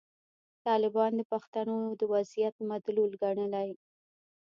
طالبان د پښتنو د وضعیت مدلول ګڼلي.